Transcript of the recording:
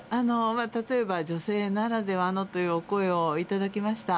例えば女性ならではのというお声をいただきました。